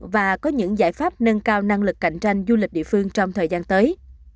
và có những giải pháp nâng cao năng lực cạnh tranh du lịch địa phương trong thời gian tới